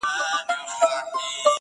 د ټپې په اله زار کي يې ويده کړم